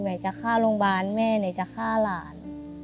ไหนจะฆ่าโรงพยาบาลแม่ไหนจะฆ่าหลาน